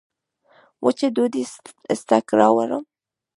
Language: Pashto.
وچه ډوډۍ سته که راوړم